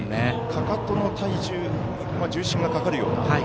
かかとに体重重心がかかるような。